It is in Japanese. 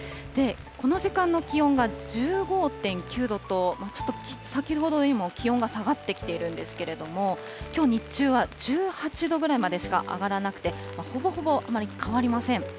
この時間の気温が１５．９度と、ちょっと先ほどよりも気温が下がってきているんですけれども、きょう日中は１８度ぐらいまでしか上がらなくて、ほぼほぼあまり変わりません。